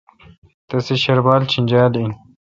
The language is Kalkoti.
تسے شربال چینجال این۔